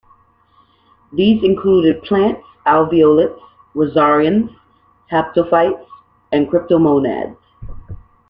These included plants, alveolates, rhizarians, haptophytes and cryptomonads.